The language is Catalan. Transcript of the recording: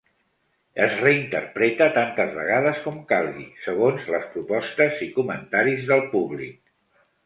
Es reinterpreta tantes vegades com calgui, segons les propostes i comentaris del públic.